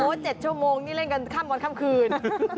๗ชั่วโมงนี่เล่นกันข้ามวันข้ามคืน